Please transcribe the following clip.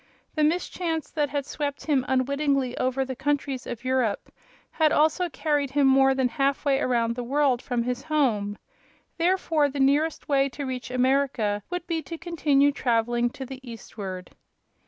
The mischance that had swept him unwittingly over the countries of Europe had also carried him more than half way around the world from his home. Therefore the nearest way to reach America would be to continue traveling to the eastward.